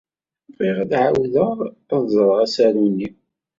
Bɣiɣ ad ɛawdeɣ ad ẓreɣ asaru-nni.